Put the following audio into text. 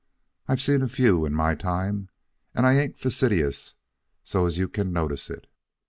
I've seen a few in my time, and I ain't fastidious so as you can notice it.